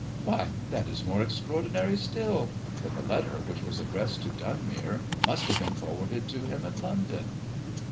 " Why, that is more extraor dinary still ; for the letter which was addressed to Dunmere must have been forwarded to him in London."